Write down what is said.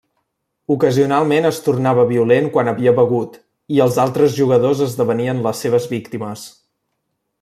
Ocasionalment es tornava violent quan havia begut, i els altres jugadors esdevenien les seves víctimes.